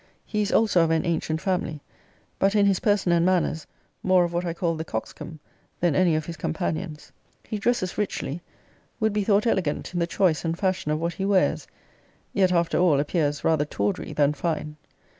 He is also of an ancient family; but, in his person and manners, more of what I call the coxcomb than any of his companions. He dresses richly; would be thought elegant in the choice and fashion of what he wears; yet, after all, appears rather tawdry than fine.